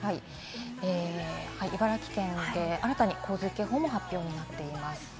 茨城県に新たに洪水警報も発表になっています。